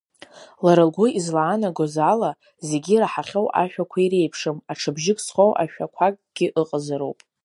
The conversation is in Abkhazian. Лара лгәы излаанагоз ала, зегьы ираҳахьоу ашәақәа иреиԥшым, аҽа бжьык зхоу ашәақәакгьы ыҟазароуп.